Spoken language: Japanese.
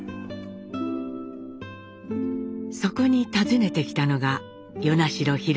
そこに訪ねてきたのが与那城廣。